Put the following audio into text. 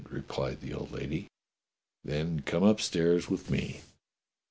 replied the old lady. "Then come up stairs with me."